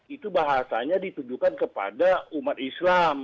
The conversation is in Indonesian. itu bahasanya ditujukan kepada umat islam